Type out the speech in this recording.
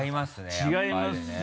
違いますよ。